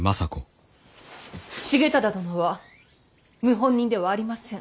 重忠殿は謀反人ではありません。